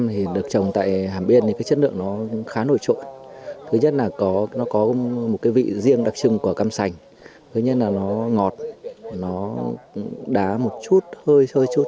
huyện hàm yên hiện có trên trường hợp